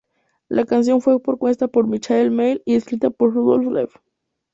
La canción fue compuesta por Michael Mell y escrita por Rudolf Leve.